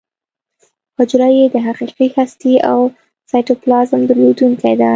حجره یې د حقیقي هستې او سایټوپلازم درلودونکې ده.